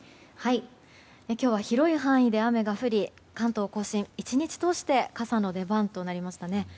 今日は広い範囲で雨が降り関東・甲信、１日通して傘の出番となりましたね。